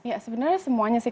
ya sebenarnya semuanya sih